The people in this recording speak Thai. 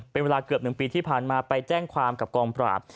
เป็นเวลาเกือบ๑ปีที่ผ่านมาไปแจ้งความกับกองปราบ